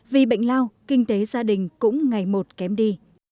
vì bệnh lao kinh tế gia đình cũng ngày một kém đi